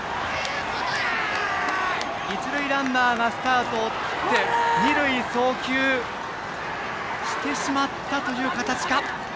一塁ランナーがスタートを切って二塁送球してしまったという形か。